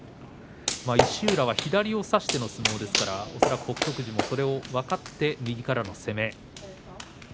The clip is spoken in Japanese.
石浦は左を差しての相撲ですから、恐らく北勝富士もそれを分かって右からの攻め。